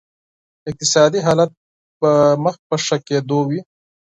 اقتصادي حالت به مخ په ښه کېدو وي.